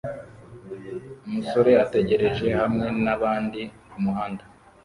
Umusore ategereje hamwe nabandi kumuhanda